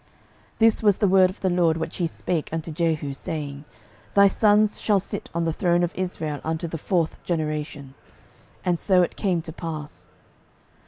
12:015:012 This was the word of the LORD which he spake unto Jehu, saying, Thy sons shall sit on the throne of Israel unto the fourth generation. And so it came to pass.